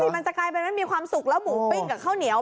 มันจะกลายเป็นว่ามีความสุขแล้วหมูปิ้งกับข้าวเหนียว